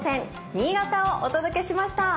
新潟をお届けしました。